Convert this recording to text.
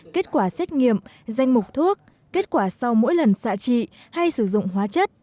kết quả xét nghiệm danh mục thuốc kết quả sau mỗi lần xạ trị hay sử dụng hóa chất